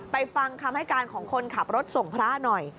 ฟังคำให้การของคนขับรถส่งพระหน่อย